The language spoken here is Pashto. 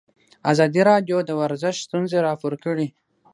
ازادي راډیو د ورزش ستونزې راپور کړي.